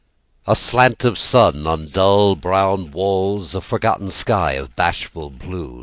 A slant of sun on dull brown walls, A forgotten sky of bashful blue.